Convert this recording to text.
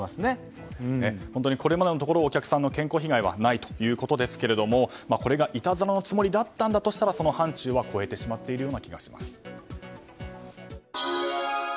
本当に、これまでのところお客さんの健康被害はないということですけれどもこれがいたずらのつもりだったとしたらその範疇は超えてしまっている気がします。